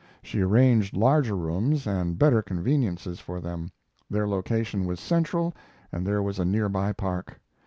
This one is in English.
She arranged larger rooms and better conveniences for them. Their location was central and there was a near by park.